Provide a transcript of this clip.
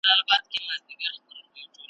اوس هغه شیخان په ښکلیو کي لوبیږي `